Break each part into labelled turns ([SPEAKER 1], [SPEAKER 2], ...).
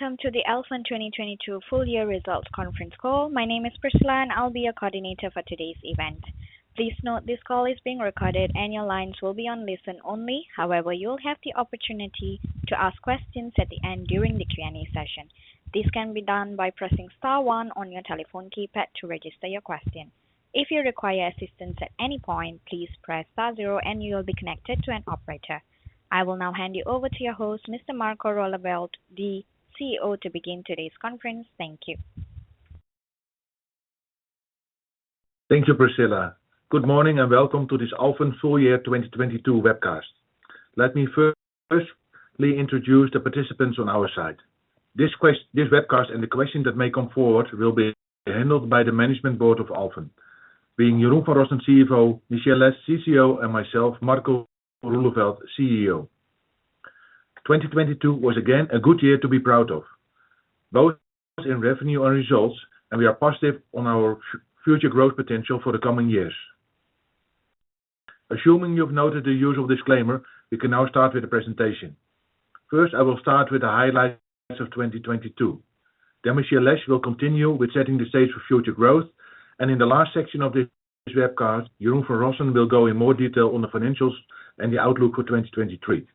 [SPEAKER 1] Welcome to the Alfen 2022 Full Year Results Conference Call. My name is Priscilla, and I'll be your coordinator for today's event. Please note this call is being recorded and your lines will be on listen only. However, you'll have the opportunity to ask questions at the end during the Q&A session. This can be done by pressing star one on your telephone keypad to register your question. If you require assistance at any point, please press star zero and you'll be connected to an operator. I will now hand you over to your host, Mr. Marco Roeleveld, the CEO, to begin today's conference. Thank you.
[SPEAKER 2] Thank you, Priscilla. Good morning, welcome to this Alfen full year 2022 webcast. Let me firstly introduce the participants on our side. This webcast and the questions that may come forward will be handled by the management board of Alfen, being Jeroen van Rossen, CFO, Michelle Lesh, CCO, and myself, Marco Roeleveld, CEO. 2022 was again a good year to be proud of, both in revenue and results, and we are positive on our future growth potential for the coming years. Assuming you've noted the usual disclaimer, we can now start with the presentation. First, I will start with the highlights of 2022. Michelle Lesh will continue with setting the stage for future growth. In the last section of this webcast, Jeroen van Rossen will go in more detail on the financials and the outlook for 2023.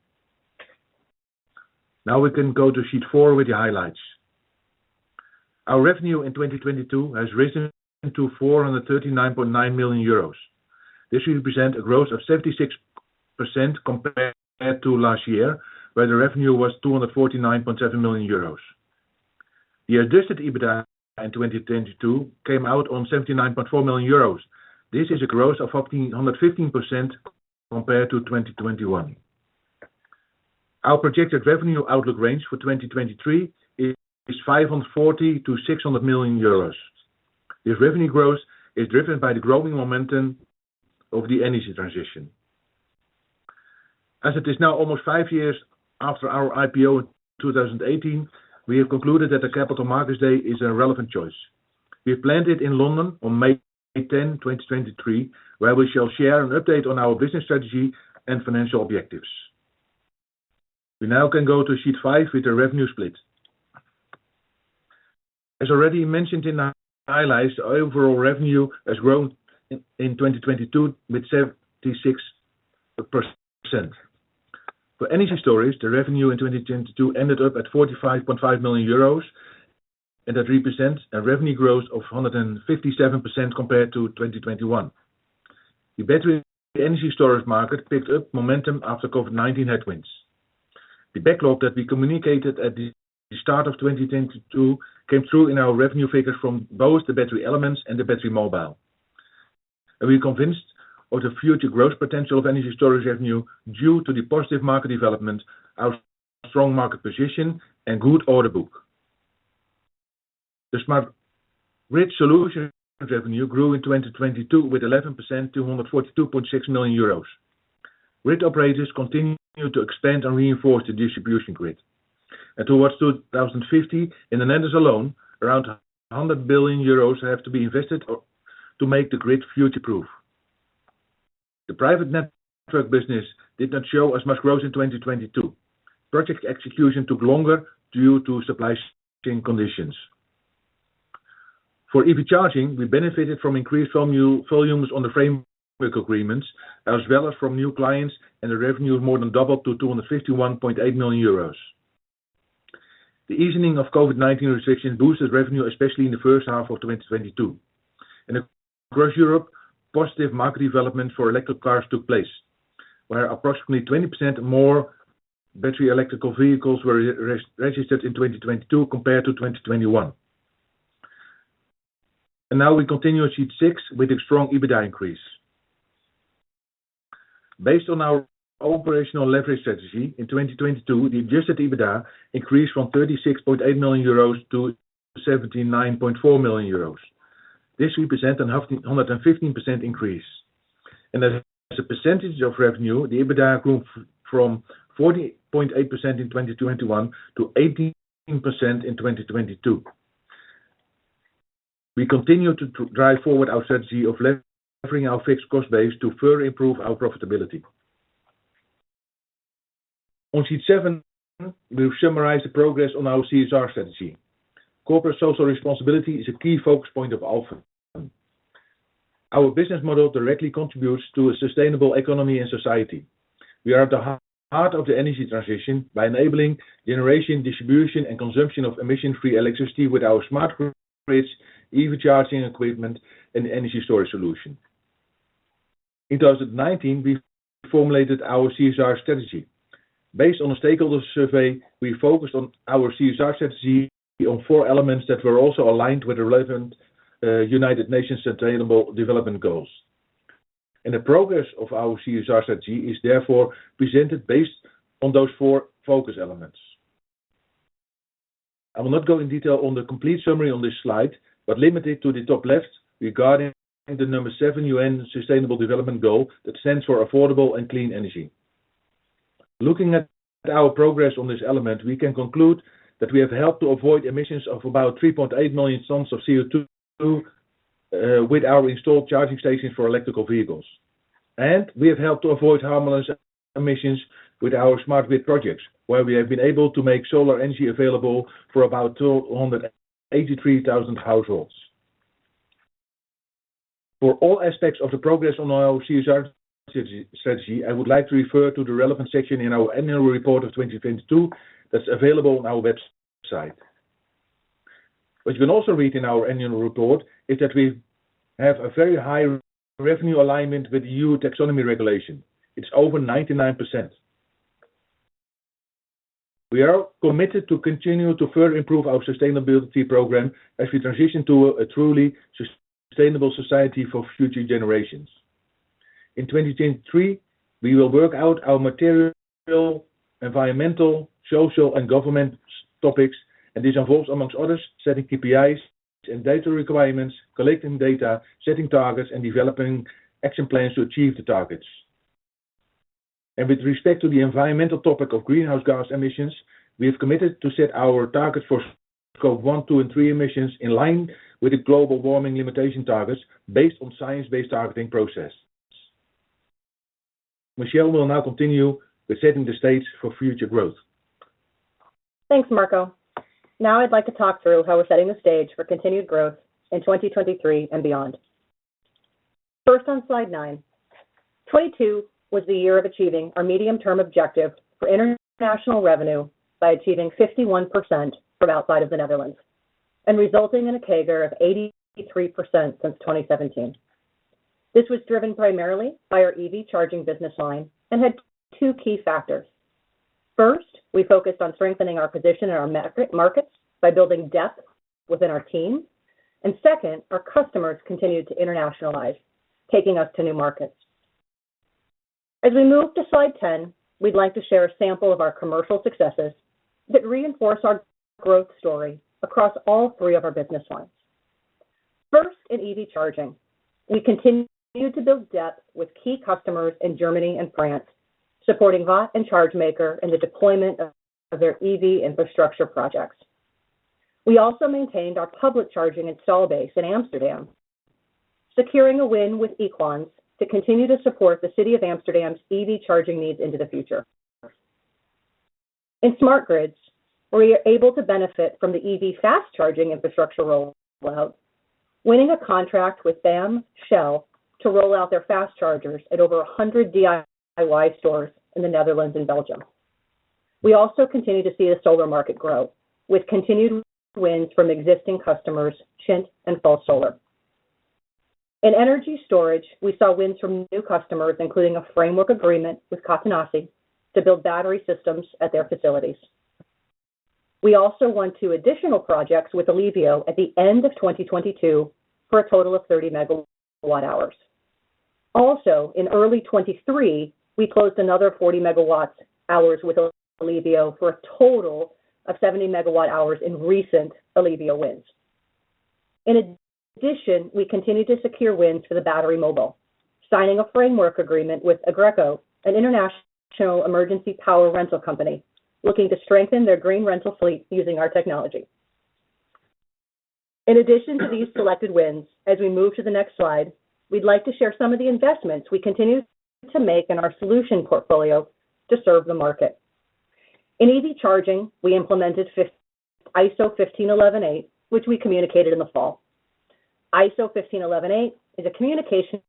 [SPEAKER 2] We can go to sheet four with the highlights. Our revenue in 2022 has risen to 439.9 million euros. This represents a growth of 76% compared to last year, where the revenue was 249.7 million euros. The adjusted EBITDA in 2022 came out on 79.4 million euros. This is a growth of 115% compared to 2021. Our projected revenue outlook range for 2023 is 540 million-600 million euros. This revenue growth is driven by the growing momentum of the energy transition. As it is now almost five years after our IPO in 2018, we have concluded that the Capital Markets Day is a relevant choice. We have planned it in London on May 10, 2023, where we shall share an update on our business strategy and financial objectives. We now can go to sheet 5 with the revenue split. As already mentioned in the highlights, our overall revenue has grown in 2022 with 76%. For Energy Storage, the revenue in 2022 ended up at 45.5 million euros, and that represents a revenue growth of 157% compared to 2021. The battery energy storage market picked up momentum after COVID-19 headwinds. The backlog that we communicated at the start of 2022 came through in our revenue figures from both TheBattery Elements and TheBattery Mobile. We are convinced of the future growth potential of Energy Storage revenue due to the positive market development, our strong market position and good order book. The Smart Grid solution revenue grew in 2022 with 11% to 142.6 million euros. Grid operators continue to expand and reinforce the distribution grid. Towards 2050, in the Netherlands alone, around 100 billion euros have to be invested or to make the grid future-proof. The private network business did not show as much growth in 2022. Project execution took longer due to supply chain conditions. For EV Charging, we benefited from increased volumes on the framework agreements as well as from new clients, and the revenue more than doubled to 251.8 million euros. The easing of COVID-19 restrictions boosted revenue, especially in the first half of 2022. Across Europe, positive market development for electric cars took place, where approximately 20% more battery electrical vehicles were registered in 2022 compared to 2021. Now we continue on sheet 6 with a strong EBITDA increase. Based on our operational leverage strategy in 2022, the adjusted EBITDA increased from 36.8 million euros to 79.4 million euros. This represents an 115% increase. As a percentage of revenue, the EBITDA grew from 40.8% in 2021 to 18% in 2022. We continue to drive forward our strategy of leveraging our fixed cost base to further improve our profitability. On sheet seven, we've summarized the progress on our CSR strategy. Corporate social responsibility is a key focus point of Alfen. Our business model directly contributes to a sustainable economy and society. We are at the heart of the energy transition by enabling generation, distribution, and consumption of emission-free electricity with our Smart Grids, EV Charging equipment, and Energy Storage solution. In 2019, we formulated our CSR strategy. Based on a stakeholder survey, we focused on our CSR strategy on four elements that were also aligned with the relevant United Nations Sustainable Development Goals. The progress of our CSR strategy is therefore presented based on those four focus elements. I will not go in detail on the complete summary on this slide, but limit it to the top left regarding the number seven UN Sustainable Development Goal that stands for affordable and clean energy. Looking at our progress on this element, we can conclude that we have helped to avoid emissions of about 3.8 million tons of CO2 with our installed charging stations for electrical vehicles. We have helped to avoid harmless emissions with our Smart Grids projects, where we have been able to make solar energy available for about 283,000 households. For all aspects of the progress on our CSR strategy, I would like to refer to the relevant section in our annual report of 2022 that's available on our website. What you can also read in our annual report is that we have a very high revenue alignment with EU taxonomy regulation. It's over 99%. We are committed to continue to further improve our sustainability program as we transition to a truly sustainable society for future generations. In 2023, we will work out our material, environmental, social, and governance topics. This involves, among others, setting KPIs and data requirements, collecting data, setting targets, and developing action plans to achieve the targets. With respect to the environmental topic of greenhouse gas emissions, we have committed to set our targets for Scope 1, 2, and 3 emissions in line with the global warming limitation targets based on science-based targeting process. Michelle will now continue with setting the stage for future growth.
[SPEAKER 3] Thanks, Marco. Now I'd like to talk through how we're setting the stage for continued growth in 2023 and beyond. First on slide 9, 2022 was the year of achieving our medium-term objective for international revenue by achieving 51% from outside of the Netherlands and resulting in a CAGR of 83% since 2017. This was driven primarily by our EV Charging business line and had two key factors. First, we focused on strengthening our position in our markets by building depth within our team. Second, our customers continued to internationalize, taking us to new markets. As we move to slide 10, we'd like to share a sample of our commercial successes that reinforce our growth story across all three of our business lines. In EV Charging, we continue to build depth with key customers in Germany and France, supporting WAAT and ChargeMaker in the deployment of their EV infrastructure projects. We also maintained our public charging install base in Amsterdam, securing a win with Equans to continue to support the City of Amsterdam's EV charging needs into the future. In Smart Grids, we are able to benefit from the EV fast charging infrastructure rollout, winning a contract with BAM Shell to roll out their fast chargers at over 100 DIY stores in the Netherlands and Belgium. We also continue to see the solar market grow with continued wins from existing customers, Scholt and Pfalzsolar. In Energy Storage, we saw wins from new customers, including a framework agreement with Katoen Natie to build battery systems at their facilities. We also won 2 additional projects with Ellevio at the end of 2022 for a total of 30 megawatt-hours. Also, in early 2023, we closed another 40 MWh with Ellevio for a total of 70 MWh in recent Ellevio wins. In addition, we continue to secure wins for TheBattery Mobile, signing a framework agreement with Aggreko, an international emergency power rental company, looking to strengthen their green rental fleet using our technology. In addition to these selected wins, as we move to the next slide, we'd like to share some of the investments we continue to make in our solution portfolio to serve the market. In EV charging, we implemented ISO 15118, which we communicated in the fall. ISO 15118 is a communication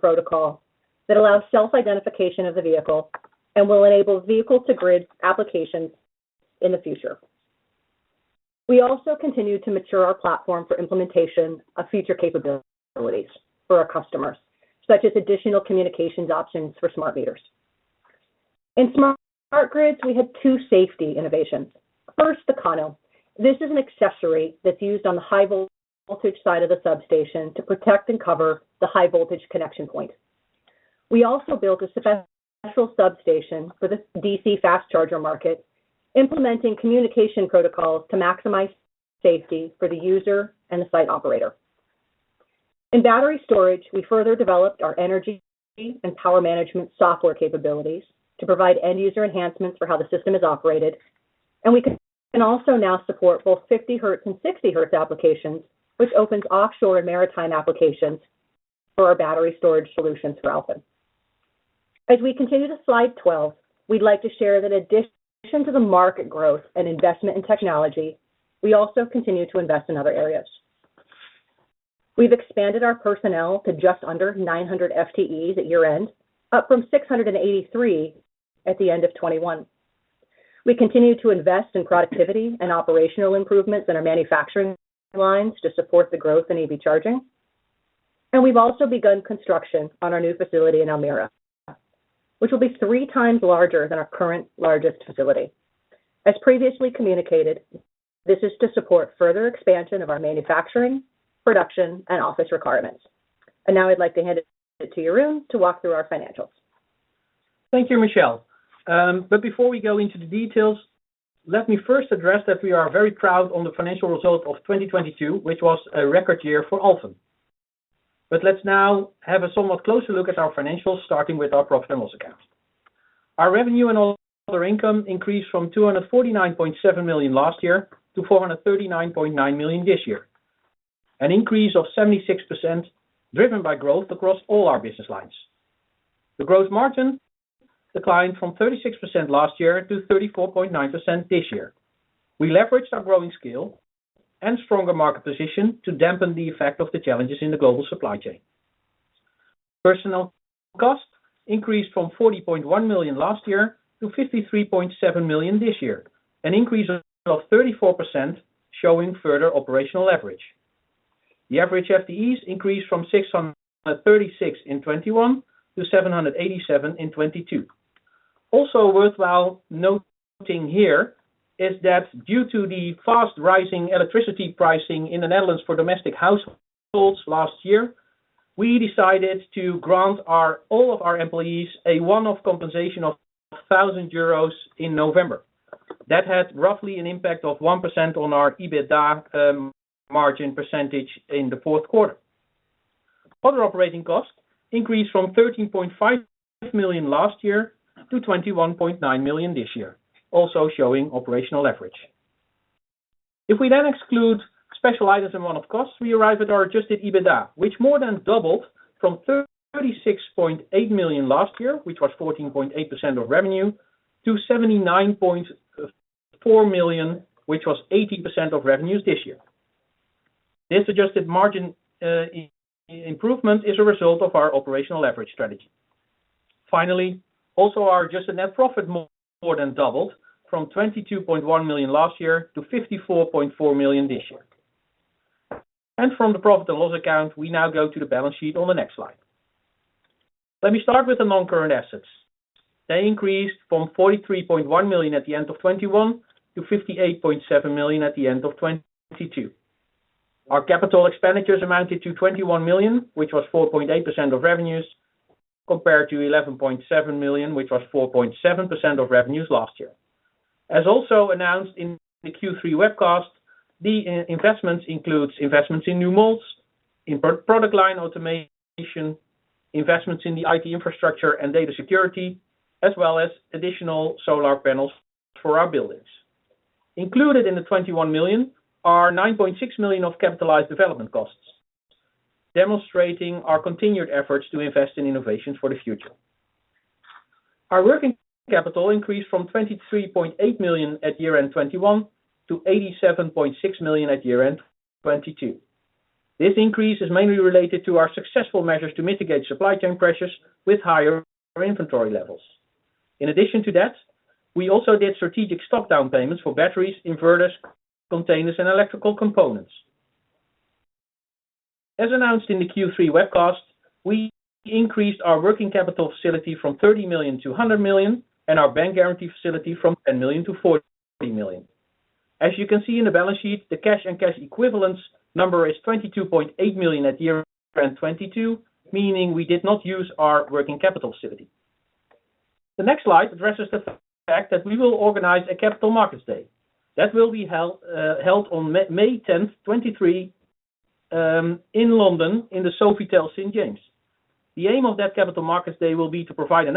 [SPEAKER 3] protocol that allows self-identification of the vehicle and will enable vehicle-to-grid applications in the future. We also continue to mature our platform for implementation of future capabilities for our customers, such as additional communications options for smart meters. In Smart Grids, we had two safety innovations. First, the Kano. This is an accessory that's used on the high voltage side of the substation to protect and cover the high voltage connection point. We also built a special substation for the DC fast charger market, implementing communication protocols to maximize safety for the user and the site operator. In Energy Storage, we further developed our energy and power management software capabilities to provide end user enhancements for how the system is operated, and we can also now support both 50 Hz and 60 Hz applications, which opens offshore and maritime applications for our Energy Storage solutions for Alfen. As we continue to slide 12, we'd like to share that addition to the market growth and investment in technology, we also continue to invest in other areas. We've expanded our personnel to just under 900 FTEs at year-end, up from 683 at the end of 2021. We continue to invest in productivity and operational improvements in our manufacturing lines to support the growth in EV Charging. We've also begun construction on our new facility in Almere, which will be three times larger than our current largest facility. As previously communicated, this is to support further expansion of our manufacturing, production, and office requirements. Now I'd like to hand it to Jeroen to walk through our financials.
[SPEAKER 4] Thank you, Michelle. Before we go into the details, let me first address that we are very proud on the financial result of 2022, which was a record year for Alfen. Let's now have a somewhat closer look at our financials, starting with our profit and loss account. Our revenue and other income increased from 249.7 million last year to 439.9 million this year. An increase of 76% driven by growth across all our business lines. The growth margin declined from 36% last year to 34.9% this year. We leveraged our growing scale and stronger market position to dampen the effect of the challenges in the global supply chain. Personnel costs increased from 40.1 million last year to 53.7 million this year, an increase of 34% showing further operational leverage. The average FTEs increased from 636 in 2021 to 787 in 2022. Also worthwhile noting here is that due to the fast-rising electricity pricing in the Netherlands for domestic households last year, we decided to grant all of our employees a one-off compensation of 1,000 euros in November. That had roughly an impact of 1% on our EBITDA margin percentage in the fourth quarter. Other operating costs increased from 13.5 million last year to 21.9 million this year, also showing operational leverage. We exclude special items and one-off costs, we arrive at our adjusted EBITDA, which more than doubled from 36.8 million last year, which was 14.8% of revenue, to 79.4 million which was 80% of revenues this year. This adjusted margin improvement is a result of our operational leverage strategy. Also our adjusted net profit more than doubled from 22.1 million last year to 54.4 million this year. From the profit and loss account, we now go to the balance sheet on the next slide. Let me start with the non-current assets. They increased from 43.1 million at the end of 2021 to 58.7 million at the end of 2022. Our capital expenditures amounted to 21 million, which was 4.8% of revenues, compared to 11.7 million, which was 4.7% of revenues last year. As also announced in the Q3 webcast, the CapEx investments includes investments in new molds, in product line automation, investments in the IT infrastructure and data security, as well as additional solar panels for our buildings. Included in the 21 million are 9.6 million of capitalized development costs, demonstrating our continued efforts to invest in innovations for the future. Our working capital increased from 23.8 million at year-end 2021 to 87.6 million at year-end 2022. This increase is mainly related to our successful measures to mitigate supply chain pressures with higher inventory levels. We also did strategic stock down payments for batteries, inverters, containers, and electrical components. As announced in the Q3 webcast, we increased our working capital facility from 30 million to 100 million and our bank guarantee facility from 10 million to 40 million. As you can see in the balance sheet, the cash and cash equivalents number is 22.8 million at year-end 2022, meaning we did not use our working capital facility. The next slide addresses the fact that we will organize a Capital Markets Day. That will be held on May 10th, 2023, in London in the Sofitel St. James. The aim of that Capital Markets Day will be to provide an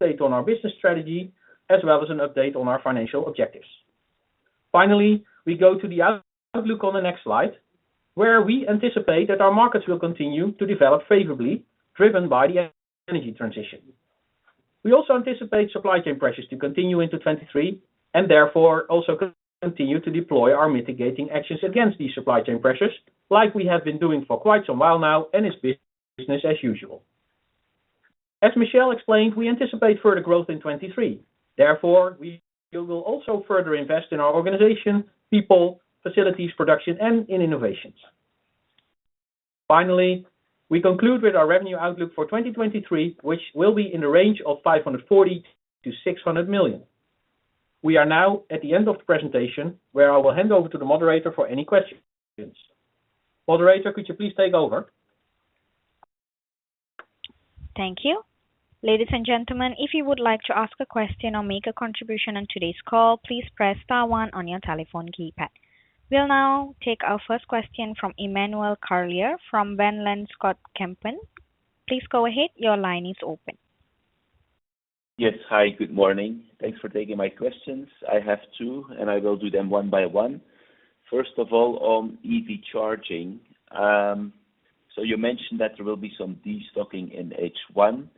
[SPEAKER 4] update on our business strategy as well as an update on our financial objectives. We go to the outlook on the next slide, where we anticipate that our markets will continue to develop favorably driven by the energy transition. We also anticipate supply chain pressures to continue into 23 and therefore also continue to deploy our mitigating actions against these supply chain pressures like we have been doing for quite some while now and is business as usual. As Michelle explained, we anticipate further growth in 23. Therefore, we will also further invest in our organization, people, facilities, production, and in innovations. We conclude with our revenue outlook for 2023, which will be in the range of 540 million-600 million. We are now at the end of the presentation, where I will hand over to the moderator for any questions. Moderator, could you please take over?
[SPEAKER 1] Thank you. Ladies and gentlemen, if you would like to ask a question or make a contribution on today's call, please press star one on your telephone keypad. We'll now take our first question from Emmanuel Carlier from Van Lanschot Kempen. Please go ahead. Your line is open.
[SPEAKER 5] Yes. Hi, good morning. Thanks for taking my questions. I have two, and I will do them one by one. First of all, on EV Charging. You mentioned that there will be some destocking in H1,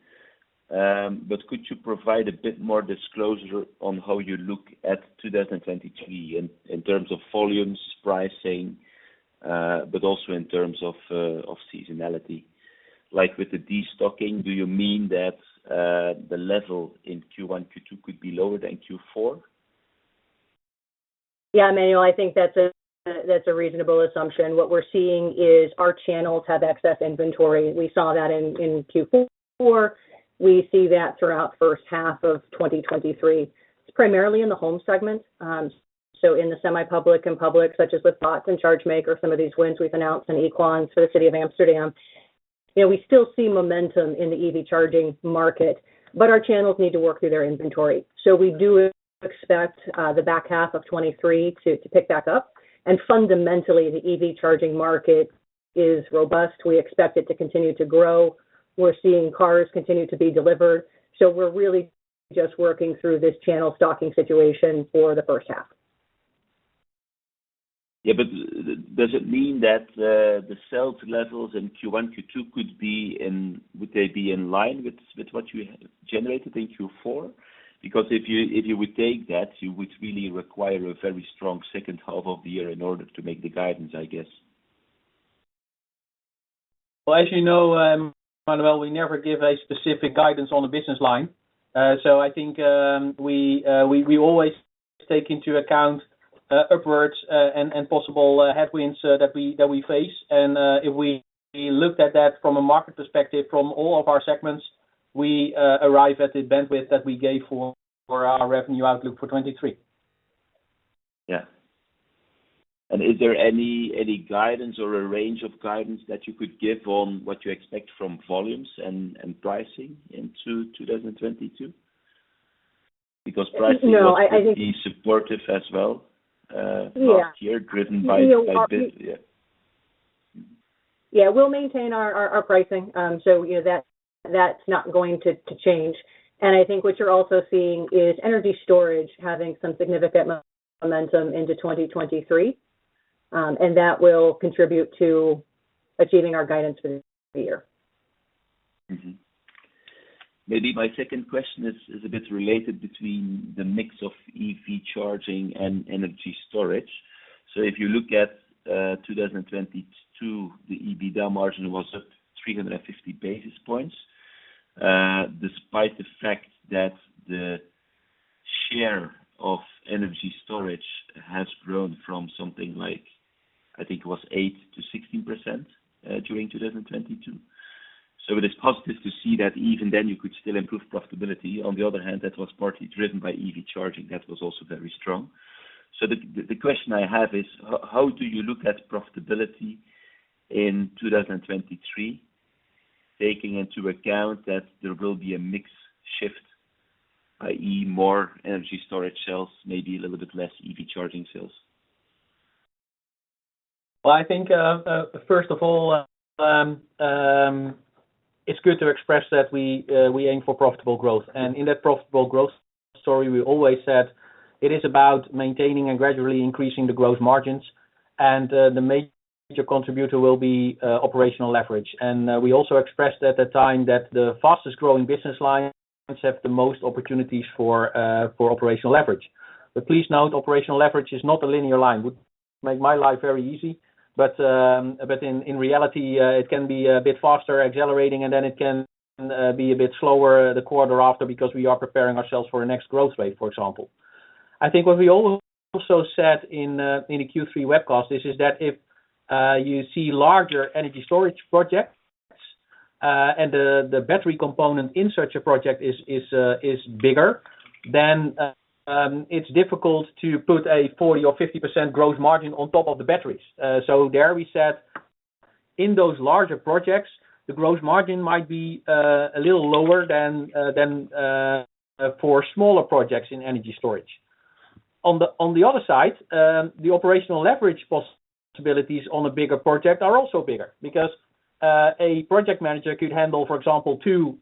[SPEAKER 5] but could you provide a bit more disclosure on how you look at 2023 in terms of volumes, pricing, but also in terms of seasonality? Like with the destocking, do you mean that the level in Q1, Q2 could be lower than Q4?
[SPEAKER 3] Yeah, Emmanuel, I think that's a reasonable assumption. What we're seeing is our channels have excess inventory. We saw that in Q4. We see that throughout first half of 2023. It's primarily in the home segment. In the semi-public and public, such as with WAAT and ChargeMaker, some of these wins we've announced in Equans for the city of Amsterdam. You know, we still see momentum in the EV Charging market, but our channels need to work through their inventory. We do expect the back half of 2023 to pick back up. Fundamentally, the EV Charging market is robust. We expect it to continue to grow. We're seeing cars continue to be delivered, so we're really just working through this channel stocking situation for the first half.
[SPEAKER 5] Yeah, would they be in line with what you had generated in Q4? If you would take that, you would really require a very strong second half of the year in order to make the guidance, I guess.
[SPEAKER 4] Well, as you know, Emmanuel, we never give a specific guidance on the business line. I think we always take into account upwards and possible headwinds that we face. If we looked at that from a market perspective from all of our segments, we arrive at the bandwidth that we gave for our revenue outlook for 2023.
[SPEAKER 5] Yeah. Is there any guidance or a range of guidance that you could give on what you expect from volumes and pricing into 2022? Because pricing must be supportive as well last year, driven by the, yeah.
[SPEAKER 3] Yeah. We'll maintain our pricing. You know, that's not going to change. I think what you're also seeing is Energy Storage having some significant momentum into 2023. That will contribute to achieving our guidance for the year.
[SPEAKER 5] Maybe my second question is a bit related between the mix of EV Charging and Energy Storage. If you look at 2022, the EBITDA margin was at 350 basis points despite the fact that the share of Energy Storage has grown from something like, I think it was 8% to 16% during 2022. It is positive to see that even then you could still improve profitability. On the other hand, that was partly driven by EV Charging, that was also very strong. The question I have is, how do you look at profitability in 2023, taking into account that there will be a mix shift, i.e. more Energy Storage sales, maybe a little bit less EV Charging sales?
[SPEAKER 4] Well, I think, first of all, it's good to express that we aim for profitable growth. In that profitable growth story, we always said it is about maintaining and gradually increasing the growth margins, and the major contributor will be operational leverage. We also expressed at the time that the fastest-growing business lines have the most opportunities for operational leverage. Please note, operational leverage is not a linear line. Would make my life very easy, but in reality, it can be a bit faster accelerating, and then it can be a bit slower the quarter after because we are preparing ourselves for the next growth rate, for example. I think what we also said in the Q3 webcast is that if you see larger Energy Storage projects, and the battery component in such a project is bigger, then it's difficult to put a 40% or 50% growth margin on top of the batteries. There we said in those larger projects, the growth margin might be a little lower than for smaller projects in Energy Storage. On the other side, the operational leverage possibilities on a bigger project are also bigger because a project manager could handle, for example, two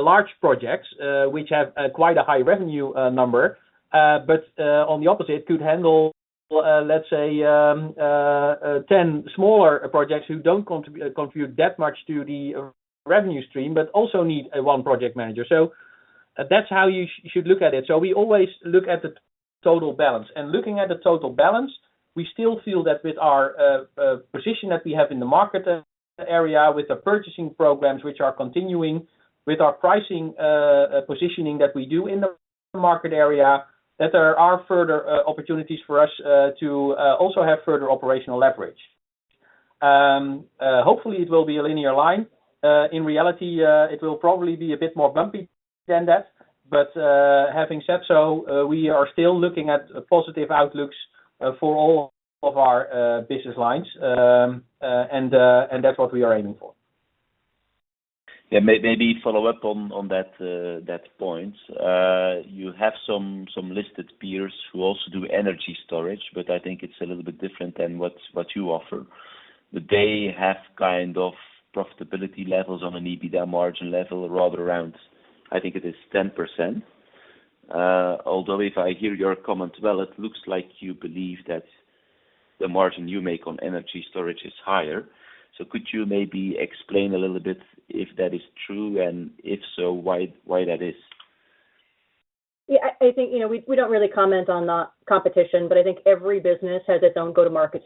[SPEAKER 4] large projects, which have quite a high revenue number. On the opposite, could handle, let's say, 10 smaller projects who don't contribute that much to the revenue stream but also need a 1 project manager. That's how you should look at it. We always look at the total balance. Looking at the total balance, we still feel that with our position that we have in the market area, with the purchasing programs which are continuing, with our pricing positioning that we do in the market area, that there are further opportunities for us to also have further operational leverage. Hopefully, it will be a linear line. In reality, it will probably be a bit more bumpy than that. Having said so, we are still looking at positive outlooks for all of our business lines. That's what we are aiming for.
[SPEAKER 5] Yeah. Maybe follow up on that point. You have some listed peers who also do energy storage, but I think it's a little bit different than what you offer. They have kind of profitability levels on an EBITDA margin level, rather around, I think it is 10%. Although if I hear your comment well, it looks like you believe that the margin you make on energy storage is higher. Could you maybe explain a little bit if that is true, and if so, why that is?
[SPEAKER 3] Yeah. I think, you know, we don't really comment on the competition, but I think every business has its own go-to-market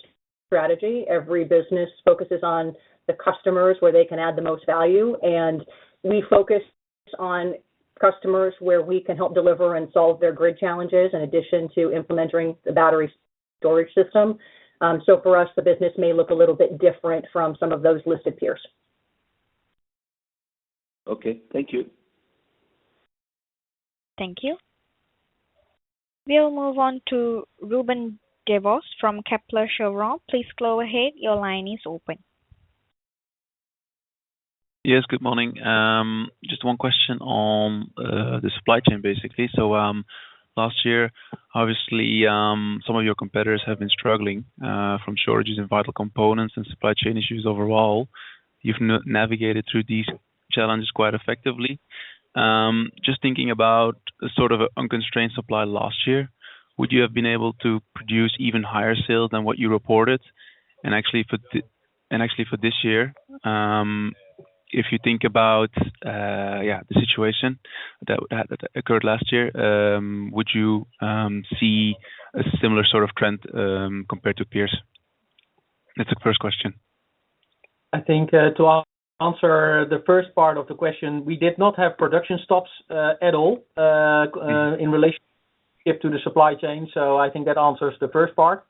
[SPEAKER 3] strategy. Every business focuses on the customers where they can add the most value, and we focus on customers where we can help deliver and solve their grid challenges in addition to implementing the battery storage system. For us, the business may look a little bit different from some of those listed peers.
[SPEAKER 5] Okay. Thank you.
[SPEAKER 1] Thank you. We'll move on to Ruben Devos from Kepler Cheuvreux. Please go ahead. Your line is open.
[SPEAKER 6] Good morning. Just one question on the supply chain, basically. Last year, obviously, some of your competitors have been struggling from shortages in vital components and supply chain issues overall. You've navigated through these challenges quite effectively. Just thinking about the sort of unconstrained supply last year, would you have been able to produce even higher sales than what you reported? Actually for this year, if you think about, yeah, the situation that occurred last year, would you see a similar sort of trend compared to peers? That's the first question.
[SPEAKER 4] I think to answer the first part of the question, we did not have production stops at all in relationship to the supply chain. I think that answers the first part.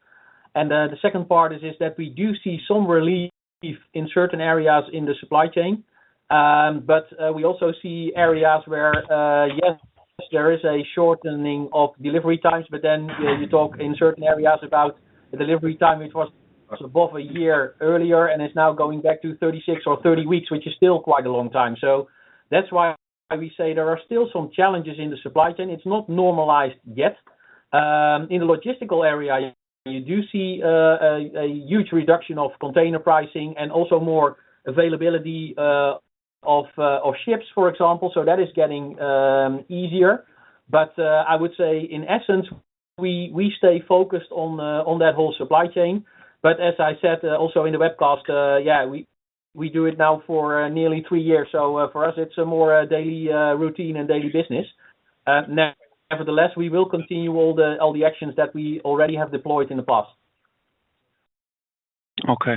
[SPEAKER 4] The second part is that we do see some relief in certain areas in the supply chain. But we also see areas where yes, there is a shortening of delivery times, but then you talk in certain areas about the delivery time, which was above a year earlier, and it's now going back to 36 or 30 weeks, which is still quite a long time. That's why we say there are still some challenges in the supply chain. It's not normalized yet. In the logistical area, you do see a huge reduction of container pricing and also more availability of ships, for example. That is getting easier. I would say in essence, we stay focused on that whole supply chain. As I said also in the webcast, yeah, we do it now for nearly 3 years. For us, it's a more daily routine and daily business. Nevertheless, we will continue all the actions that we already have deployed .n the past.
[SPEAKER 6] Okay.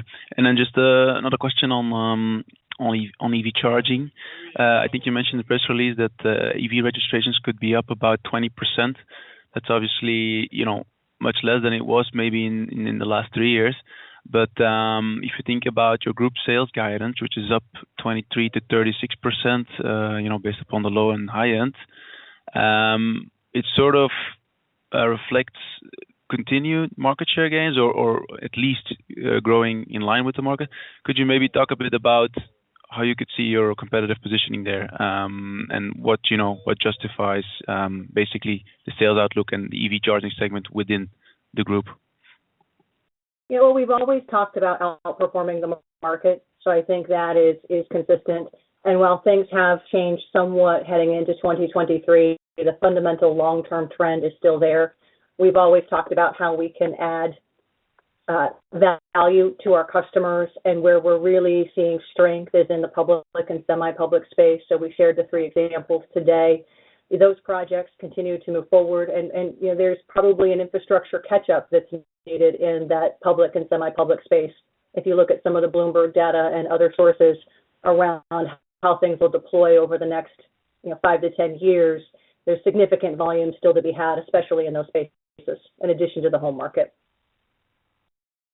[SPEAKER 6] Just another question on EV Charging. I think you mentioned the press release that EV registrations could be up about 20%. That's obviously, you know, much less than it was maybe in the last 3 years. If you think about your group sales guidance, which is up 23%-36%, you know, based upon the low and high end, it sort of reflects continued market share gains or at least growing in line with the market. Could you maybe talk a bit about how you could see your competitive positioning there, and what, you know, what justifies basically the sales outlook and the EV Charging segment within the group?
[SPEAKER 3] Yeah. Well, we've always talked about outperforming the market, so I think that is consistent. While things have changed somewhat heading into 2023, the fundamental long-term trend is still there. We've always talked about how we can add value to our customers, and where we're really seeing strength is in the public and semi-public space. We shared the three examples today. Those projects continue to move forward and, you know, there's probably an infrastructure catch-up that's needed in that public and semi-public space. If you look at some of the Bloomberg data and other sources around how things will deploy over the next, you know, five to 10 years, there's significant volume still to be had, especially in those spaces, in addition to the home market.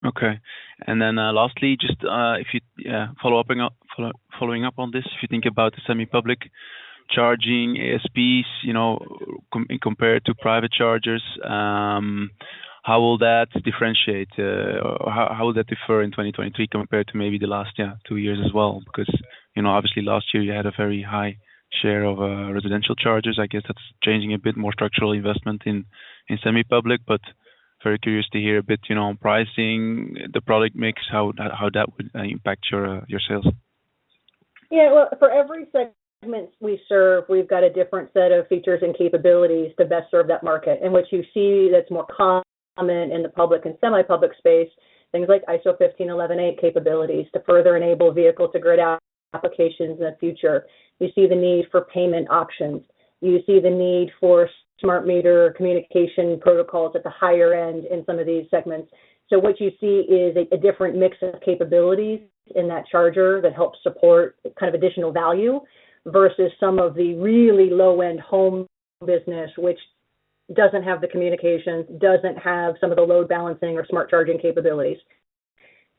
[SPEAKER 6] Okay. Lastly, just, if you, following up on this, if you think about the semi-public charging ASPs, you know, compared to private chargers, how will that differentiate? Or how will that differ in 2023 compared to maybe the last, yeah, 2 years as well? You know, obviously last year you had a very high share of residential chargers. I guess that's changing a bit more structural investment in semi-public, but very curious to hear a bit, you know, on pricing the product mix, how that would impact your sales.
[SPEAKER 3] Yeah. Well, for every segment we serve, we've got a different set of features and capabilities to best serve that market. What you see that's more common in the public and semi-public space, things like ISO 15118 capabilities to further enable vehicle-to-grid applications in the future. You see the need for payment options. You see the need for smart meter communication protocols at the higher end in some of these segments. What you see is a different mix of capabilities in that charger that helps support kind of additional value versus some of the really low-end home business, which doesn't have the communication, doesn't have some of the load balancing or smart charging capabilities.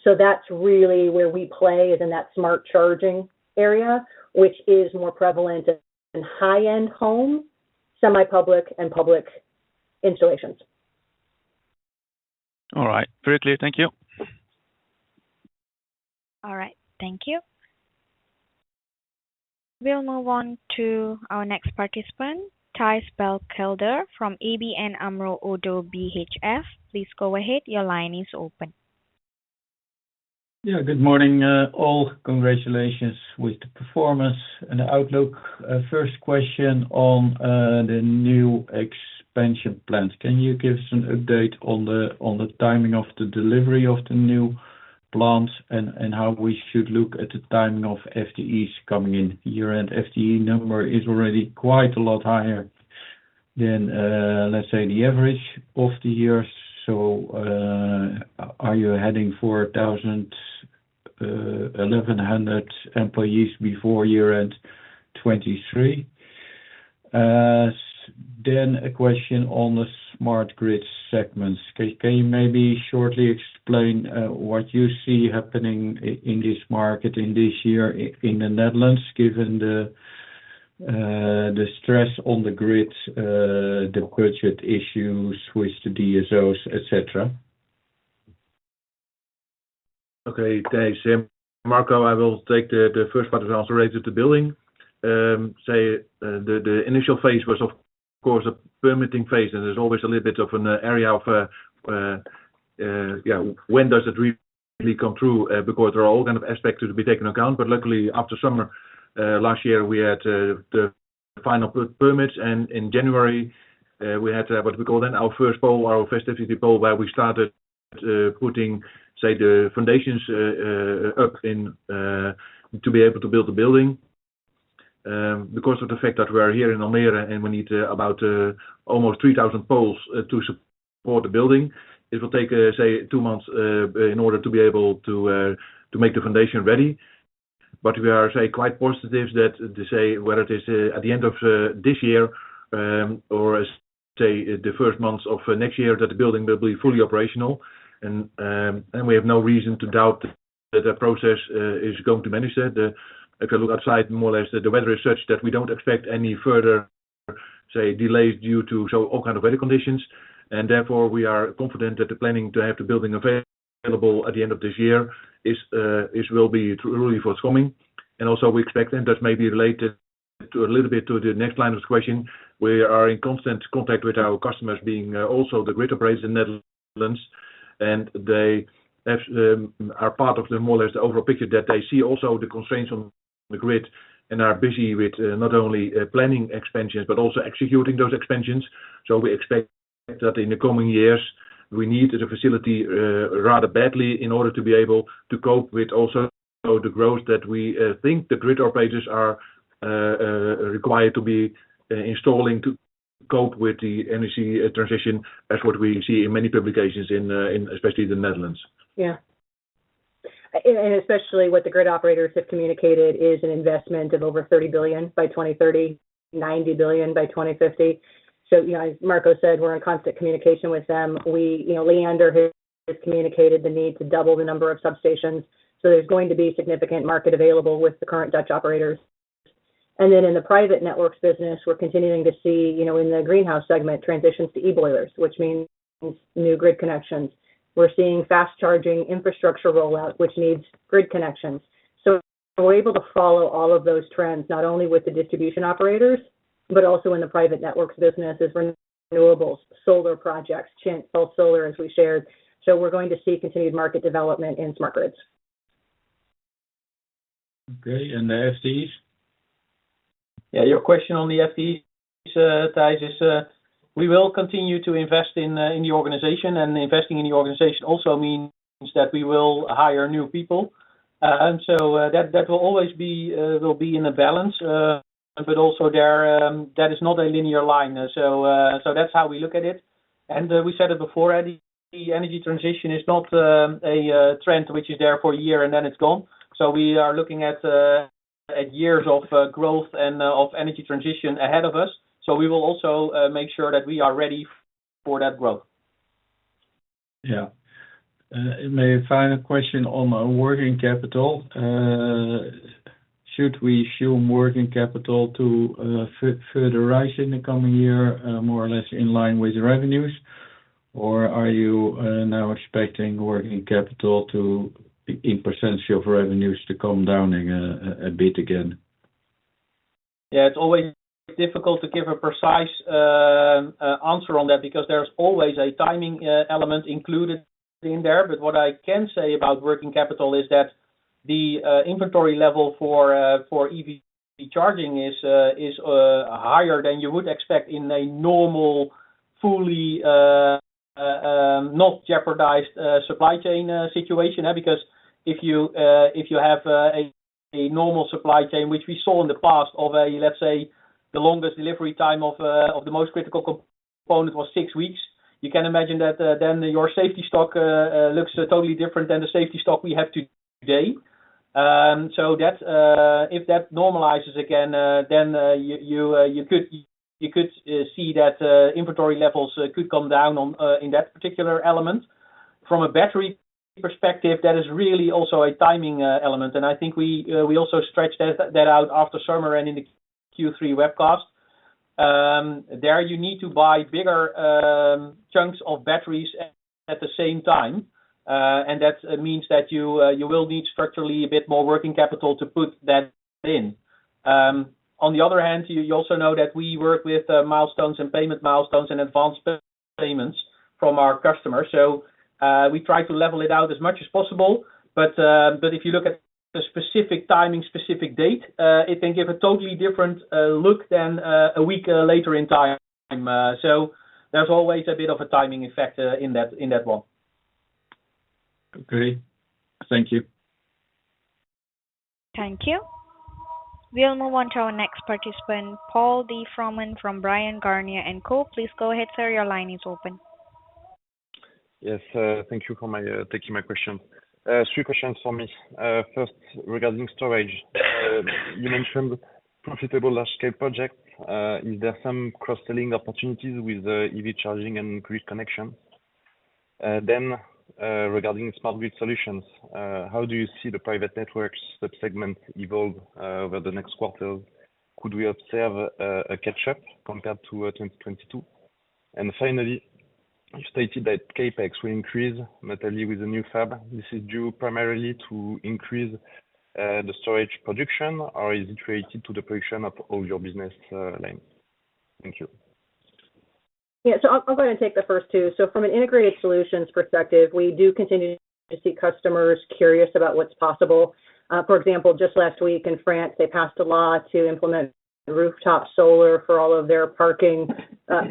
[SPEAKER 3] That's really where we play is in that smart charging area, which is more prevalent in high-end home, semi-public, and public installations.
[SPEAKER 6] All right. Very clear. Thank you.
[SPEAKER 1] All right. Thank you. We'll move on to our next participant, Thijs Berkelder from ABN AMRO – ODDO BHF. Please go ahead. Your line is open.
[SPEAKER 7] Good morning, all. Congratulations with the performance and the outlook. First question on the new expansion plans. Can you give us an update on the, on the timing of the delivery of the new plans and how we should look at the timing of FTEs coming in year-end? FTE number is already quite a lot higher than, let's say the average of the year. Are you heading for 1,000, 1,100 employees before year-end 2023? A question on the Smart Grids segments. Can you maybe shortly explain what you see happening in this market in this year in the Netherlands, given the stress on the grid, the budget issues with the DSOs, et cetera?
[SPEAKER 2] Okay, thanks. Marco, I will take the first part that was related to building. Say, the initial phase was of course a permitting phase, and there's always a little bit of an area of, yeah, when does it really come through, because there are all kind of aspects to be taken account. Luckily after summer last year, we had the final permits, and in January, we had what we call then our first activity pole, where we started putting, say, the foundations up in to be able to build the building. Because of the fact that we are here in Almere, and we need about almost 3,000 poles to support the building, it will take 2 months in order to be able to make the foundation ready. We are quite positive that to say whether it is at the end of this year or the first months of next year that the building will be fully operational. We have no reason to doubt that that process is going to manage that. You look outside more or less, the weather is such that we don't expect any further delays due to all kind of weather conditions. Therefore, we are confident that the planning to have the building available at the end of this year is will be really forthcoming. Also we expect then that may be related to a little bit to the next line of question. We are in constant contact with our customers being also the grid operators in Netherlands, and they are part of the more or less the overall picture that they see also the constraints on the grid and are busy with not only planning expansions but also executing those expansions. We expect that in the coming years, we need the facility, rather badly in order to be able to cope with also the growth that we think the grid operators are required to be installing to cope with the energy transition as what we see in many publications in especially the Netherlands.
[SPEAKER 3] Yeah. Especially what the grid operators have communicated is an investment of over 30 billion by 2030, 90 billion by 2050. You know, as Marco said, we're in constant communication with them. We, you know, Liander has communicated the need to double the number of substations, there's going to be significant market available with the current Dutch operators. In the private networks business, we're continuing to see, you know, in the greenhouse segment, transitions to e-boilers, which means new grid connections. We're seeing fast charging infrastructure rollout, which needs grid connections. We're able to follow all of those trends, not only with the distribution operators, but also in the private networks business as renewables, solar projects, China, all solar as we shared. We're going to see continued market development in Smart Grids.
[SPEAKER 7] Okay. The FTEs?
[SPEAKER 4] Yeah. Your question on the FTEs, Thijs, is, we will continue to invest in the organization, and investing in the organization also means that we will hire new people. That will always be in a balance. Also there, that is not a linear line. That's how we look at it. We said it before, the energy transition is not a trend which is there for a year and then it's gone. We are looking at years of growth and of energy transition ahead of us. We will also make sure that we are ready for that growth.
[SPEAKER 7] Yeah. My final question on working capital. Should we assume working capital to further rise in the coming year, more or less in line with revenues? Are you now expecting working capital to, in percentage of revenues, to come down a bit again?
[SPEAKER 4] Yeah. It's always difficult to give a precise answer on that because there's always a timing element included in there. What I can say about working capital is that the inventory level for EV Charging is higher than you would expect in a normal, fully, not jeopardized supply chain situation. Because if you have a normal supply chain, which we saw in the past of a, let's say, the longest delivery time of the most critical component was 6 weeks, you can imagine that then your safety stock looks totally different than the safety stock we have today. That's if that normalizes again, you could see that inventory levels could come down in that particular element. From a battery perspective, that is really also a timing element. I think we also stretched that out after summer and in the Q3 webcast. There you need to buy bigger chunks of batteries at the same time. That means that you will need structurally a bit more working capital to put that in. On the other hand, you also know that we work with milestones and payment milestones and advanced payments from our customers. We try to level it out as much as possible. If you look at the specific timing, specific date, it can give a totally different look than a week later in time. There's always a bit of a timing effect in that one.
[SPEAKER 7] Okay. Thank you.
[SPEAKER 1] Thank you. We'll move on to our next participant, Paul de Froment from Bryan, Garnier & Co. Please go ahead, sir. Your line is open.
[SPEAKER 8] Yes. Thank you for my taking my question. Three questions from me. First, regarding storage. You mentioned profitable large-scale projects. Is there some cross-selling opportunities with the EV Charging and grid connection? Then, regarding Smart Grids solutions, how do you see the private networks sub-segment evolve over the next quarter? Could we observe a catch-up compared to 2022? Finally, you stated that CapEx will increase mentally with the new fab. This is due primarily to increase the storage production, or is it related to the production of all your business line? Thank you.
[SPEAKER 3] Yeah. I'll go ahead and take the first two. From an integrated solutions perspective, we do continue to see customers curious about what's possible. For example, just last week in France, they passed a law to implement rooftop solar for all of their parking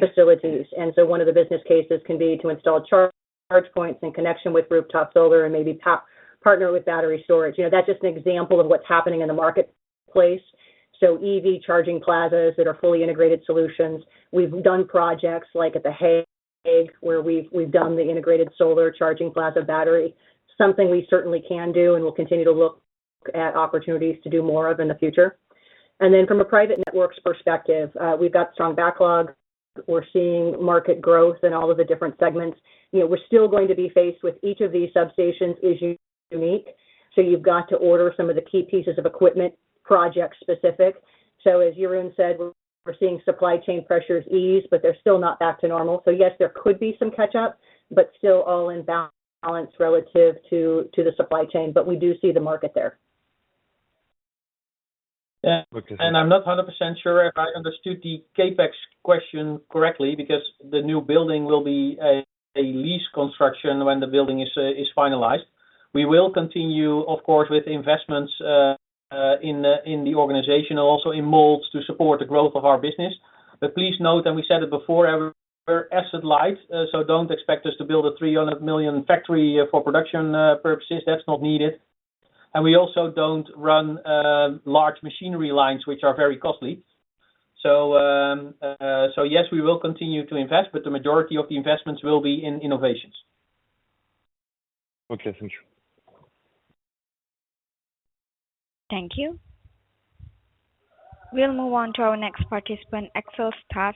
[SPEAKER 3] facilities. One of the business cases can be to install charge points in connection with rooftop solar and maybe partner with battery storage. You know, that's just an example of what's happening in the marketplace. EV Charging plazas that are fully integrated solutions. We've done projects like at The Hague, where we've done the integrated solar charging plaza battery, something we certainly can do and we'll continue to look at opportunities to do more of in the future. From a private networks perspective, we've got strong backlogs. We're seeing market growth in all of the different segments. You know, we're still going to be faced with each of these substations is unique, so you've got to order some of the key pieces of equipment project-specific. As Jeroen said, we're seeing supply chain pressures ease, but they're still not back to normal. Yes, there could be some catch up, but still all in balance relative to the supply chain, but we do see the market there.
[SPEAKER 4] Yeah. I'm not 100% sure if I understood the CapEx question correctly, because the new building will be a lease construction when the building is finalized. We will continue, of course, with investments in the organization and also in molds to support the growth of our business. please note, and we said it before, we're asset light, so don't expect us to build a 300 million factory for production purposes. That's not needed. we also don't run large machinery lines, which are very costly. yes, we will continue to invest, but the majority of the investments will be in innovations.
[SPEAKER 8] Okay. Thank you.
[SPEAKER 1] Thank you. We'll move on to our next participant, Axel Stasse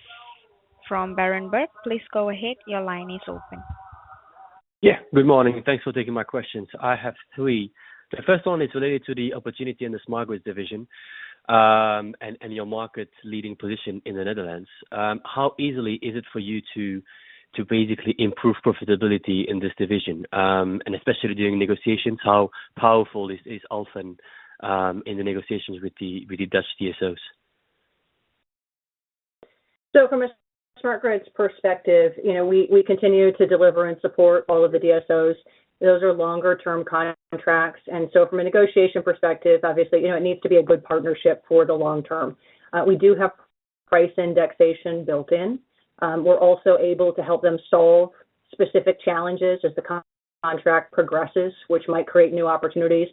[SPEAKER 1] from Berenberg. Please go ahead. Your line is open.
[SPEAKER 9] Yeah. Good morning. Thanks for taking my questions. I have three. The first one is related to the opportunity in the Smart Grids division, and your market-leading position in the Netherlands. How easily is it for you to basically improve profitability in this division? Especially during negotiations, how powerful is Alfen in the negotiations with the Dutch DSOs?
[SPEAKER 3] From a Smart Grids perspective, you know, we continue to deliver and support all of the DSOs. Those are longer-term contracts. From a negotiation perspective, obviously, you know, it needs to be a good partnership for the long term. We do have price indexation built in. We're also able to help them solve specific challenges as the contract progresses, which might create new opportunities.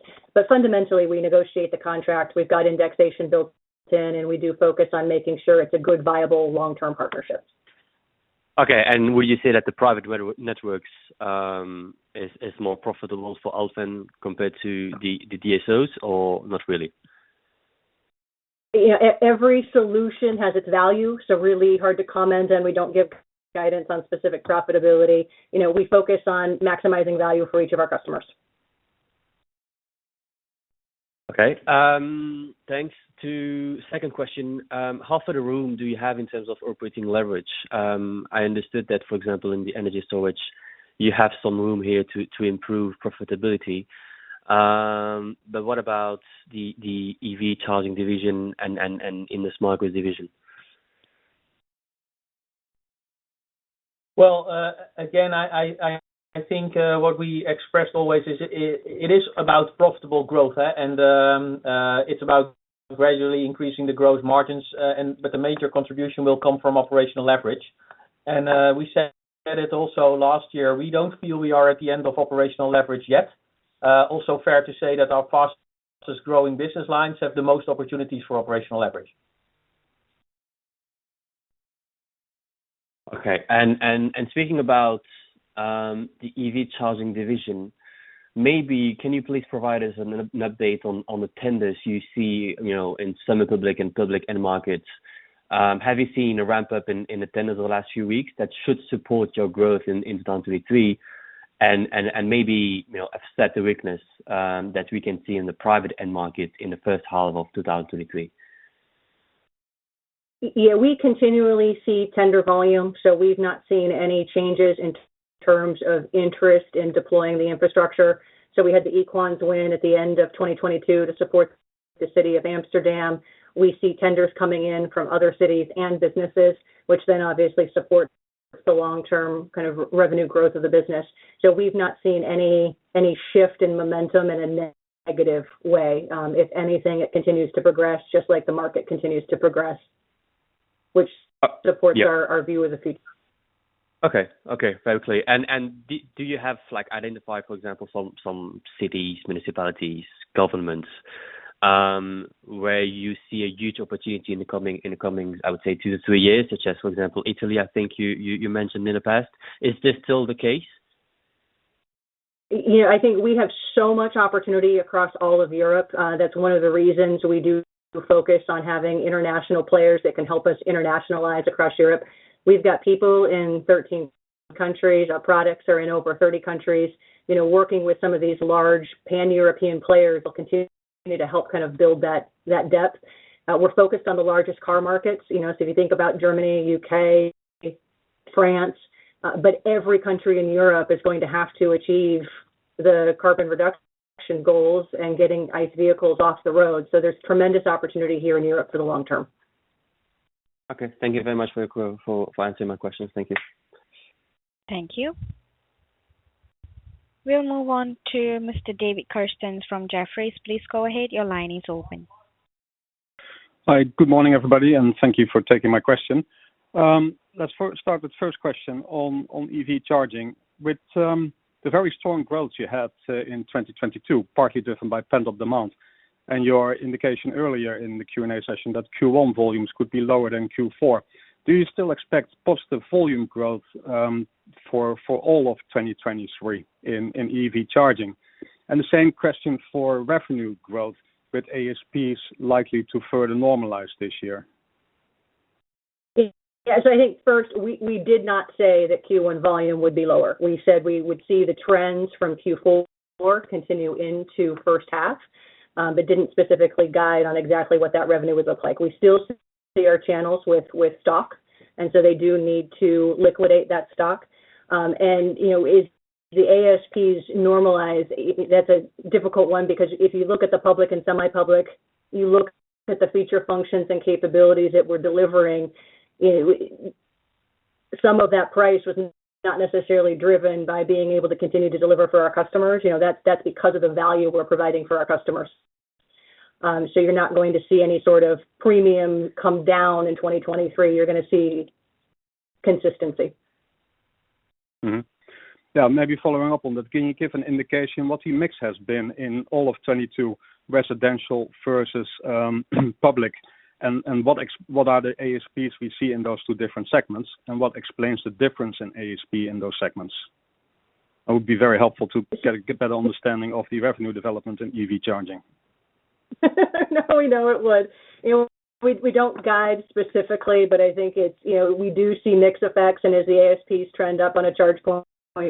[SPEAKER 3] Fundamentally, we negotiate the contract. We've got indexation built in, and we do focus on making sure it's a good, viable long-term partnership.
[SPEAKER 9] Okay. Would you say that the private networks is more profitable for Alfen compared to the DSOs or not really?
[SPEAKER 3] Yeah. Every solution has its value, so really hard to comment. We don't give guidance on specific profitability. You know, we focus on maximizing value for each of our customers.
[SPEAKER 9] Okay. thanks. Second question, how far the room do you have in terms of operating leverage? I understood that, for example, in the Energy Storage, you have some room here to improve profitability. what about the EV Charging division and in the Smart Grids division?
[SPEAKER 4] Well, again, I think what we expressed always is, it is about profitable growth, and it's about gradually increasing the growth margins. The major contribution will come from operational leverage. We said it also last year, we don't feel we are at the end of operational leverage yet. Also fair to say that our fastest growing business lines have the most opportunities for operational leverage.
[SPEAKER 9] Okay. Speaking about the EV Charging division, maybe can you please provide us an update on the tenders you see, you know, in semi-public and public end markets? Have you seen a ramp-up in the tenders over the last few weeks that should support your growth in 2023 and maybe, you know, offset the weakness that we can see in the private end market in the first half of 2023?
[SPEAKER 3] Yeah. We continually see tender volume, we've not seen any changes in terms of interest in deploying the infrastructure. We had the Equans win at the end of 2022 to support the City of Amsterdam. We see tenders coming in from other cities and businesses, which then obviously supports the long-term kind of revenue growth of the business. We've not seen any shift in momentum in a negative way. If anything, it continues to progress just like the market continues to progress, which supports our view of the future.
[SPEAKER 9] Okay. Very clear. Do you have, like, identified, for example, some cities, municipalities, governments, where you see a huge opportunity in the coming, I would say, 2-3 years, such as, for example, Italy, I think you mentioned in the past. Is this still the case?
[SPEAKER 3] You know, I think we have so much opportunity across all of Europe. That's one of the reasons we do focus on having international players that can help us internationalize across Europe. We've got people in 13 countries, our products are in over 30 countries. You know, working with some of these large Pan-European players will continue to help kind of build that depth. We're focused on the largest car markets, you know. If you think about Germany, U.K., France, but every country in Europe is going to have to achieve the carbon reduction goals and getting ICE vehicles off the road. There's tremendous opportunity here in Europe for the long term.
[SPEAKER 9] Okay. Thank you very much for answering my questions. Thank you.
[SPEAKER 1] Thank you. We'll move on to Mr. David Kerstens from Jefferies. Please go ahead. Your line is open.
[SPEAKER 10] Hi. Good morning, everybody, and thank you for taking my question. Let's start with first question on EV Charging. With the very strong growth you had in 2022, partly driven by pent-up demand, and your indication earlier in the Q&A session that Q1 volumes could be lower than Q4, do you still expect positive volume growth for all of 2023 in EV Charging? The same question for revenue growth, with ASPs likely to further normalize this year.
[SPEAKER 3] Yeah. I think first, we did not say that Q1 volume would be lower. We said we would see the trends from Q4 continue into first half, but didn't specifically guide on exactly what that revenue would look like. We still see our channels with stock, and so they do need to liquidate that stock. You know, if the ASPs normalize, that's a difficult one because if you look at the public and semi-public, you look at the feature functions and capabilities that we're delivering, Some of that price was not necessarily driven by being able to continue to deliver for our customers. You know, that's because of the value we're providing for our customers. You're not going to see any sort of premium come down in 2023. You're gonna see consistency.
[SPEAKER 10] Maybe following up on that, can you give an indication what the mix has been in all of 2022 residential versus public, and what are the ASPs we see in those two different segments, and what explains the difference in ASP in those segments? That would be very helpful to get a better understanding of the revenue development in EV Charging.
[SPEAKER 3] No, we know it would. You know, we don't guide specifically, but I think it's... You know, we do see mix effects, and as the ASPs trend up on a charge point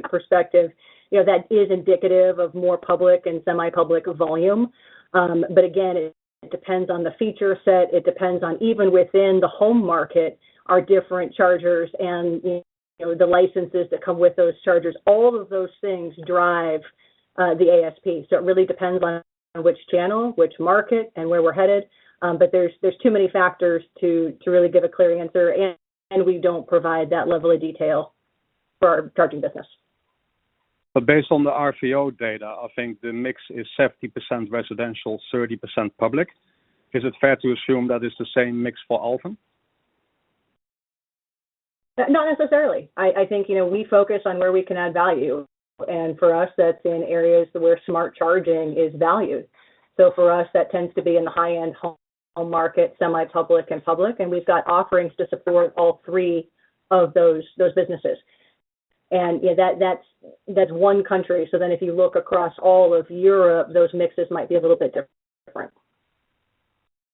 [SPEAKER 3] perspective, you know, that is indicative of more public and semi-public volume. Again, it depends on the feature set, it depends on even within the home market, our different chargers and, you know, the licenses that come with those chargers. All of those things drive the ASP. It really depends on which channel, which market, and where we're headed. There's too many factors to really give a clear answer, and we don't provide that level of detail for our charging business.
[SPEAKER 10] Based on the RVO data, I think the mix is 70% residential, 30% public. Is it fair to assume that it's the same mix for Alfen?
[SPEAKER 3] Not necessarily. I think, you know, we focus on where we can add value. For us, that's in areas where smart charging is valued. For us, that tends to be in the high-end home market, semi-public and public, and we've got offerings to support all three of those businesses. You know, that's one country. If you look across all of Europe, those mixes might be a little bit different.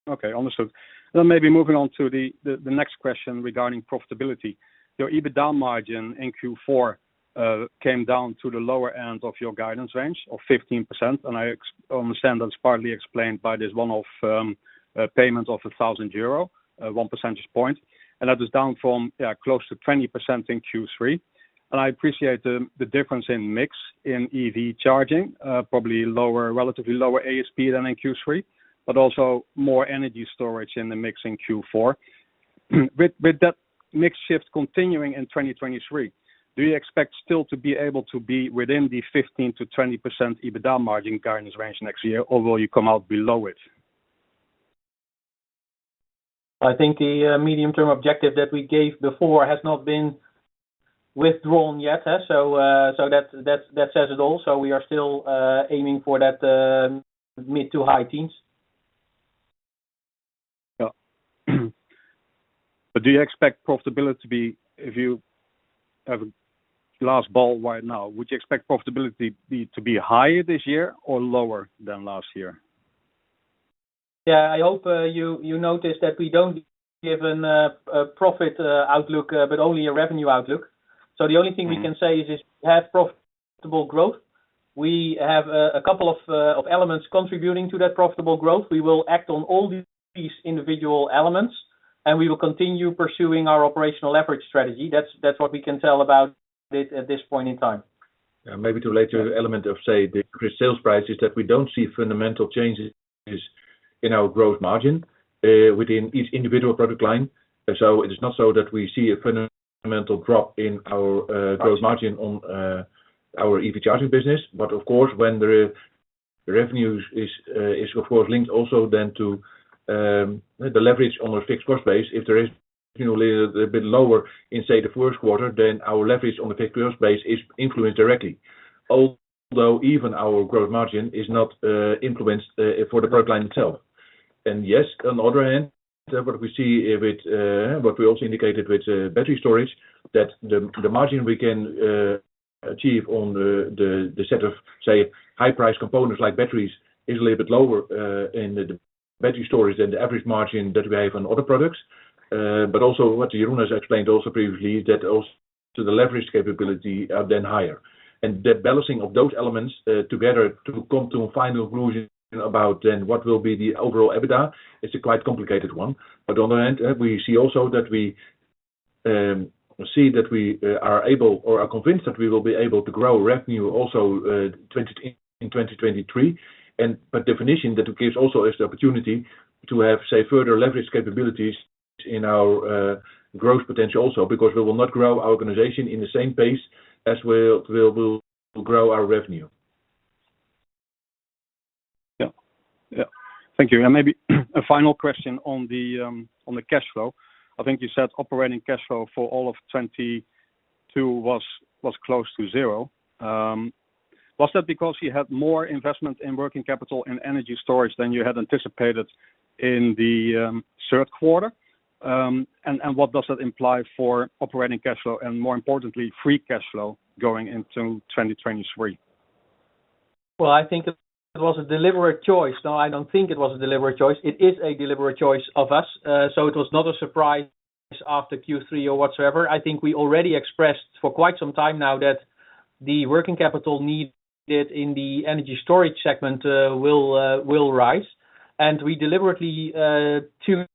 [SPEAKER 10] Okay. Understood. Maybe moving on to the next question regarding profitability. Your EBITDA margin in Q4 came down to the lower end of your guidance range of 15%, and I understand that's partly explained by this one-off payment of 1,000 euro, 1 percentage point. That is down from close to 20% in Q3. I appreciate the difference in mix in EV Charging, probably lower, relatively lower ASP than in Q3, but also more Energy Storage in the mix in Q4. With that mix shift continuing in 2023, do you expect still to be able to be within the 15%-20% EBITDA margin guidance range next year, although you come out below it?
[SPEAKER 4] I think the medium-term objective that we gave before has not been withdrawn yet. That says it all. We are still aiming for that mid to high teens.
[SPEAKER 10] Yeah. Do you expect profitability, if you have a glass ball right now, would you expect profitability to be higher this year or lower than last year?
[SPEAKER 4] Yeah. I hope you notice that we don't give a profit outlook, but only a revenue outlook. The only thing we can say is this, we have profitable growth. We have a couple of elements contributing to that profitable growth. We will act on all these individual elements, and we will continue pursuing our operational leverage strategy. That's what we can tell about it at this point in time.
[SPEAKER 2] Yeah, maybe to later element of, say, the increased sales price is that we don't see fundamental changes in our gross margin within each individual product line. It is not so that we see a fundamental drop in our gross margin on our EV Charging business. Of course, when the revenue is of course linked also then to the leverage on a fixed cost base, if there is, you know, a bit lower in say, the first quarter, then our leverage on the fixed cost base is influenced directly. Although even our gross margin is not influenced for the product line itself. Yes, on the other hand, what we see with what we also indicated with the battery storage, that the margin we can achieve on the set of, say, high price components like batteries is a little bit lower in the battery storage than the average margin that we have on other products. Also what Jeroen has explained also previously that also to the leverage capability are then higher. The balancing of those elements together to come to a final conclusion about then what will be the overall EBITDA is a quite complicated one. On the end, we see also that we see that we are able or are convinced that we will be able to grow revenue also in 2023. By definition, that gives also us the opportunity to have, say, further leverage capabilities in our growth potential also because we will not grow our organization in the same pace as we'll grow our revenue.
[SPEAKER 10] Yeah. Yeah. Thank you. Maybe a final question on the on the cash flow. I think you said operating cash flow for all of 2022 was close to zero. Was that because you had more investment in working capital and Energy Storage than you had anticipated in the third quarter? What does that imply for operating cash flow and more importantly, free cash flow going into 2023?
[SPEAKER 4] Well, I think it was a deliberate choice. No, I don't think it was a deliberate choice. It is a deliberate choice of us. It was not a surprise after Q3 or whatsoever. I think we already expressed for quite some time now that the working capital needed in the Energy Storage segment will rise. We deliberately took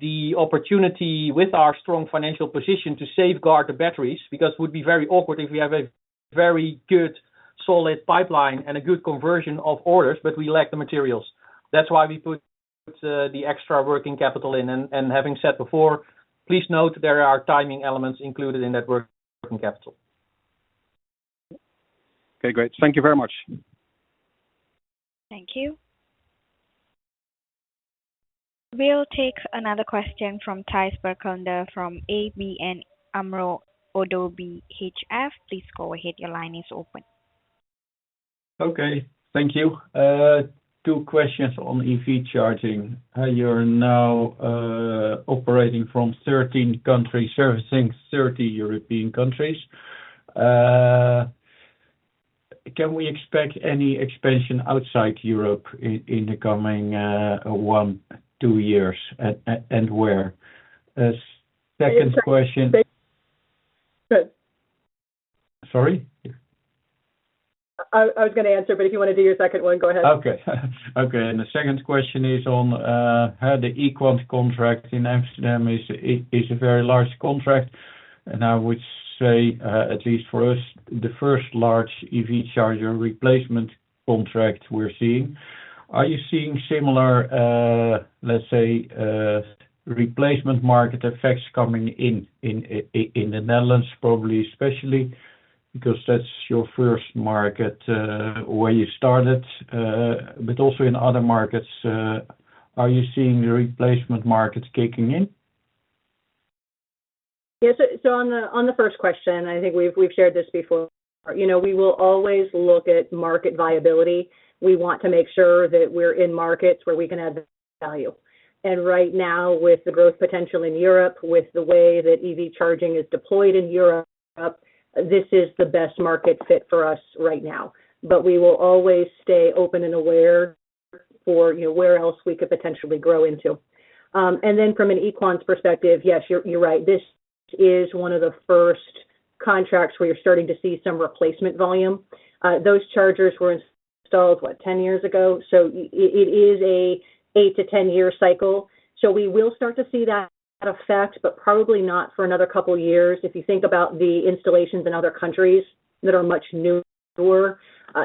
[SPEAKER 4] the opportunity with our strong financial position to safeguard the batteries because it would be very awkward if we have a very good solid pipeline and a good conversion of orders, but we lack the materials. That's why we put the extra working capital in. Having said before, please note there are timing elements included in that working capital.
[SPEAKER 10] Okay, great. Thank you very much.
[SPEAKER 1] Thank you. We'll take another question from Thijs Berkelder from ABN AMRO – ODDO BHF. Please go ahead. Your line is open.
[SPEAKER 7] Okay. Thank you. Two questions on EV Charging. You're now operating from 13 countries, servicing 30 European countries. Can we expect any expansion outside Europe in the coming 1, 2 years? Where? Second question.
[SPEAKER 3] Go ahead.
[SPEAKER 7] Sorry?
[SPEAKER 3] I was gonna answer, but if you want to do your second one, go ahead.
[SPEAKER 7] Okay. Okay. The second question is on how the Equans contract in Amsterdam is a very large contract, and I would say, at least for us, the first large EV charger replacement contract we're seeing. Are you seeing similar, let's say, replacement market effects coming in the Netherlands, probably especially because that's your first market, where you started, but also in other markets, are you seeing the replacement markets kicking in?
[SPEAKER 3] Yes. On the first question, I think we've shared this before. You know, we will always look at market viability. We want to make sure that we're in markets where we can add value. Right now, with the growth potential in Europe, with the way that EV Charging is deployed in Europe, this is the best market fit for us right now. We will always stay open and aware for, you know, where else we could potentially grow into. From an Equans perspective, yes, you're right. This is one of the first contracts where you're starting to see some replacement volume. Those chargers were installed, what, 10 years ago, so it is a 8-10-year cycle. We will start to see that effect, but probably not for another couple of years. If you think about the installations in other countries that are much newer,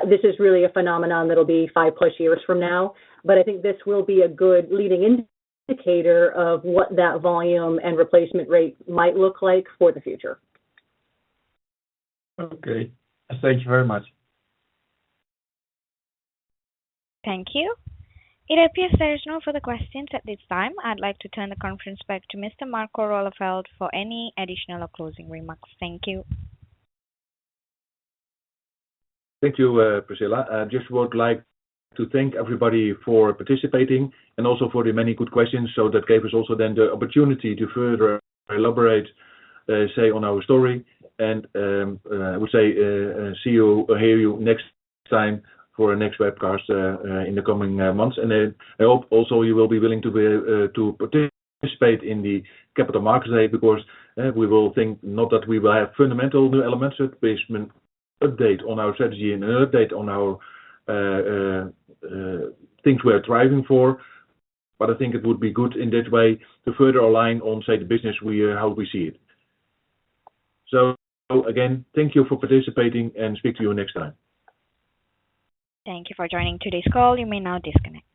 [SPEAKER 3] this is really a phenomenon that'll be 5+ years from now. I think this will be a good leading indicator of what that volume and replacement rate might look like for the future.
[SPEAKER 7] Okay. Thank you very much.
[SPEAKER 1] Thank you. It appears there is no further questions at this time. I'd like to turn the conference back to Mr. Marco Roeleveld for any additional or closing remarks. Thank you.
[SPEAKER 2] Thank you, Priscilla. I just would like to thank everybody for participating and also for the many good questions. That gave us also then the opportunity to further elaborate, say, on our story. I would say, see you or hear you next time for our next webcast in the coming months. Then I hope also you will be willing to be to participate in the Capital Markets Day because we will think not that we will have fundamental new elements, but basically an update on our strategy and an update on our things we are thriving for. I think it would be good in that way to further align on, say, the business we are. How we see it. Again, thank you for participating, and speak to you next time.
[SPEAKER 1] Thank you for joining today's call. You may now disconnect.